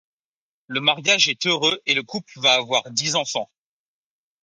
Le mariage est heureux et le couple va avoir dix enfants.